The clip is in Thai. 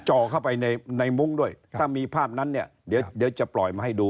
จ่อเข้าไปในมุ้งด้วยถ้ามีภาพนั้นเนี่ยเดี๋ยวจะปล่อยมาให้ดู